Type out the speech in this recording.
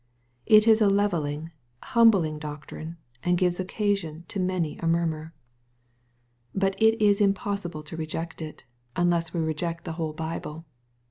It is a levelling, humbling doctrine, and gives occasion to many a murmur. But MATTHEW, CHAP. XX. 249 It is impossible to reject it, unless we reject tb) whole Bible.